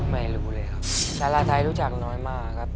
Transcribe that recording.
ไม่รู้เลยครับสาราไทยรู้จักน้อยมากครับ